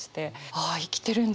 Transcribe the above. ああ生きてるんだ